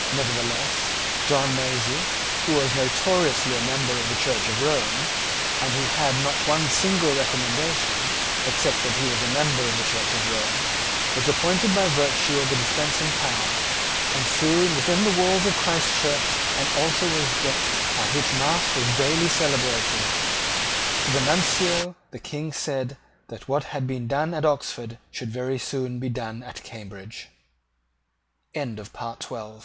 Nevertheless John Massey, who was notoriously a member of the Church of Rome, and who had not one single recommendation, except that he was a member of the Church of Rome, was appointed by virtue of the dispensing power; and soon within the walls of Christchurch an altar was decked, at which mass was daily celebrated. To the Nuncio the King said that what had been done at Oxford should very soon be done at Cambridge.